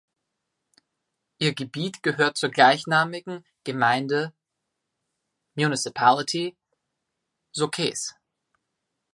Ihr Gebiet gehört zur gleichnamigen Gemeinde ("municipality") Sokehs.